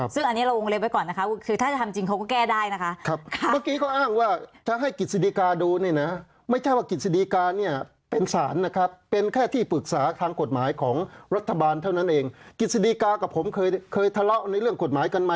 ซึ่งอันนี้เราวงเล็บไว้ก่อนนะคะคือถ้าจะทำจริงเขาก็แก้ได้นะคะ